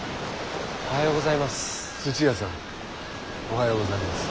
おはようございます。